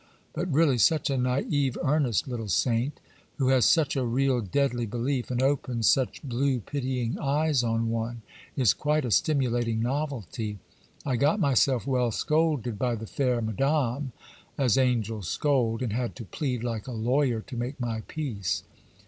But really, such a naïve, earnest little saint, who has such a real, deadly belief, and opens such blue pitying eyes on one, is quite a stimulating novelty. I got myself well scolded by the fair madame (as angels scold), and had to plead like a lawyer to make my peace.